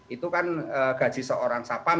itu kan gaji seorang sapam